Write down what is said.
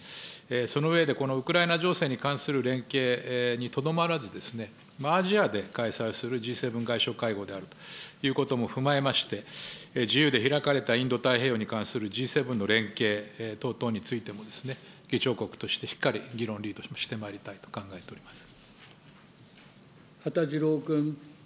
その上で、このウクライナ情勢に関する連携にとどまらず、アジアで開催するＧ７外相会合であるということも踏まえまして、自由で開かれたインド太平洋に関するＧ７の連携等々についても、議長国としてしっかり議論をリードしてまいりたいと考えておりま羽田次郎君。